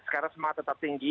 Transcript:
karena semangat tetap tinggi